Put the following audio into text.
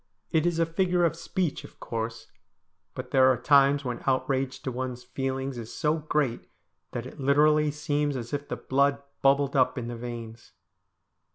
It is a figure of speech, of course, but there are times when outrage to one's feelings is so great that it literally seems as if the blood bubbled up in the veins.